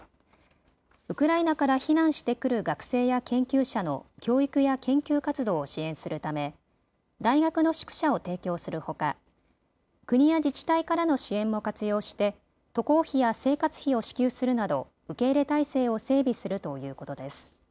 ウクライナから避難してくる学生や研究者の教育や研究活動を支援するため大学の宿舎を提供するほか国や自治体からの支援も活用して渡航費や生活費を支給するなど受け入れ体制を整備するということです。